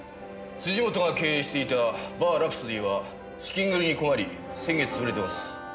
本が経営していた「バーラプソディ」は資金繰りに困り先月潰れてます。